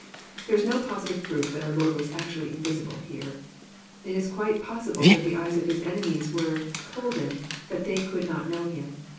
There is no positive proof that our Lord was actually invisible here. It is quite possible that the eyes of His enemies were holden that they could not know Him."